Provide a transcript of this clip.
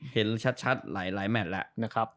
เห็นชัดหลายแหมดแล้ว